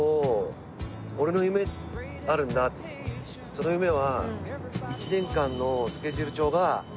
「その夢は」